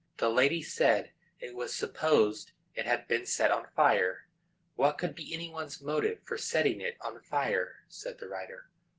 The lady said it was supposed it had been set on fire. "What could be any one's motive for setting it on fire?" said the writer.